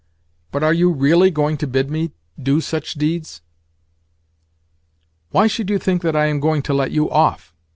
"But are you really going to bid me do such deeds?" "Why should you think that I am going to let you off?